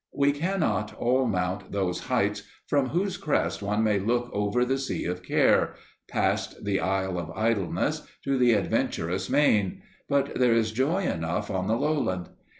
We cannot all mount those heights from whose crest one may look over the Sea of Care, past the Isle of Idleness to the Adventurous Main, but there is joy enough on the lowland.